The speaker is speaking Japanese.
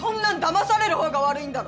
まされるほうが悪いんだろ。